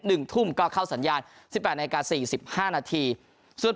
หนึ่งทุ่มก็เข้าสัญญาณสิบแปดนาฬิกาสี่สิบห้านาทีส่วน